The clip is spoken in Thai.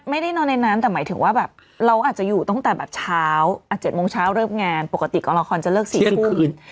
ไม่ได้นอนในนั้นแต่หมายถึงว่าแบบเราอาจจะอยู่ตั้งแต่แบบเช้า๗โมงเช้าเลิกงานปกติกองละครจะเลิก๔ทุ่มคืน